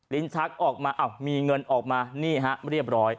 ลิ้นชักออกมาอ้าวมีเงินออกมานี่ฮะเรียบร้อย